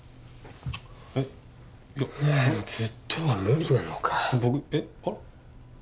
えっいやいやずっとは無理なのか僕えっあっ？